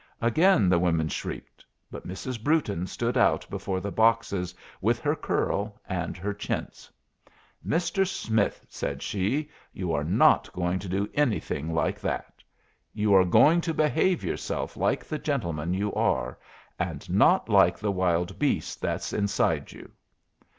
Again the women shrieked. But Mrs. Brewton stood out before the boxes with her curl and her chintz. "Mr. Smith," said she, "you are not going to do anything like that. You are going to behave yourself like the gentleman you are, and not like the wild beast that's inside you."